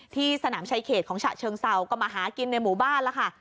ที่สนามชายเขตของฉะเชิงเศร้าก็มาหากินในหมู่บ้านแล้วค่ะ